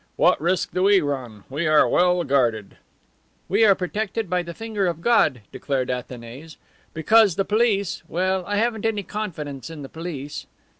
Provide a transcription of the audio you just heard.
"What risk do we run? We are well guarded." "We are protected by the finger of God," declared Athanase, "because the police well, I haven't any confidence in the police."